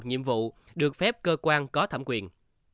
nhiệm vụ được phép cơ quan có thẩm quyền